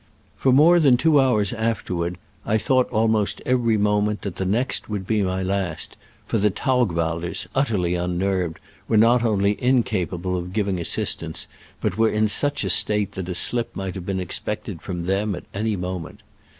For more than two hours afterward I thought almost every moment that the next would be my last, for the Taug walders, utterly unnerved, were not only incg^jable of giving assistance, but were in such a state that a slip might have been expected from them at any mo ment.